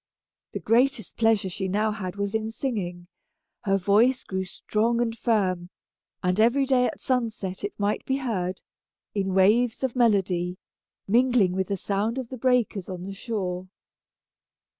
The greatest pleasure she now had was in singing. Her voice grew strong and firm, and every day at sunset it might be heard, in waves of melody, mingling with the sound of the breakers on the shore.